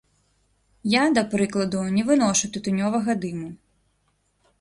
Я, да прыкладу, не выношу тытунёвага дыму.